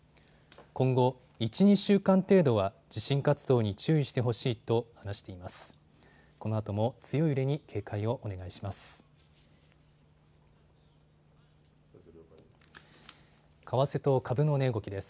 今後１、２週間程度は地震活動に注意してほしいと話しています。